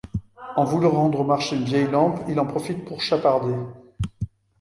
En voulant rendre au marché une vieille lampe, il en profite pour chaparder.